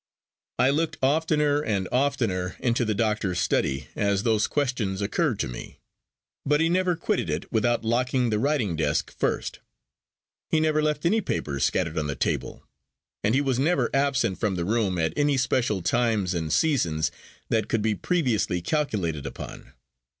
I looked oftener and oftener into the doctor's study as those questions occurred to me; but he never quitted it without locking the writing desk first he never left any papers scattered on the table, and he was never absent from the room at any special times and seasons that could be previously calculated upon.